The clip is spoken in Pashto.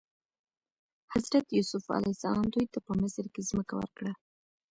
حضرت یوسف علیه السلام دوی ته په مصر کې ځمکه ورکړې وه.